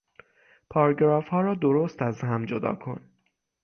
پاراگرافها را درست از هم جدا کن